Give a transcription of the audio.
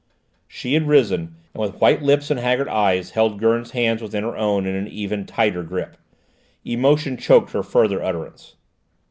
She had risen, and with white lips and haggard eyes held Gurn's hands within her own in an even tighter grip. Emotion choked her further utterance.